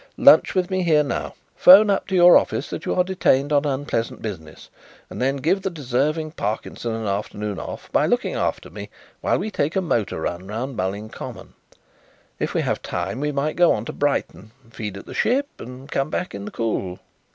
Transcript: Lunch with me here now. 'Phone up to your office that you are detained on unpleasant business and then give the deserving Parkinson an afternoon off by looking after me while we take a motor run round Mulling Common. If we have time we might go on to Brighton, feed at the 'Ship,' and come back in the cool."